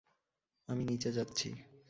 আমি নিচে যাচ্ছি।